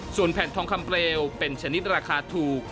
ส่วนแผ่นทองคำเปลวเป็นชนิดราคาถูก